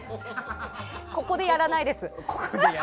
ここでやらないです。